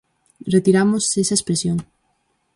Retiramos esa expresión.